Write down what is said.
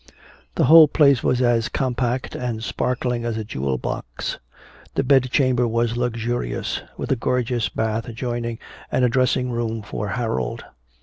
The whole place was as compact and sparkling as a jewel box. The bed chamber was luxurious, with a gorgeous bath adjoining and a dressing room for Harold.